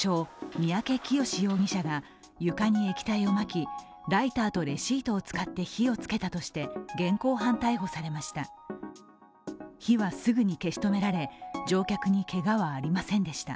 三宅潔容疑者が床に液体をまき、ライターとレシートを使って火をつけたとして現行犯逮捕されました。